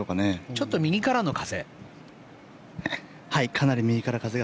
ちょっと右からの風？